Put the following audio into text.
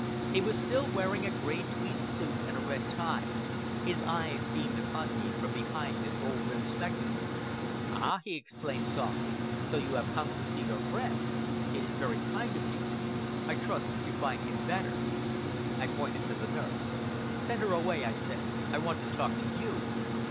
He was still wearing a grey tweed suit and a red tie; his eyes beamed upon me from behind his gold rimmed spectacles. "Ah!" he exclaimed softly, "so you have come to see your friend. It is very kind of you! I trust that you find him better." I pointed to the nurse. "Send her away," I said. "I want to talk to you!"